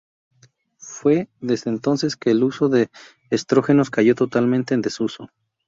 Fue desde entonces que el uso de estrógenos cayó totalmente en desuso.